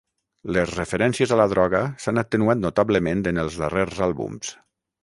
Les referències a la droga s'han atenuat notablement en els darrers àlbums.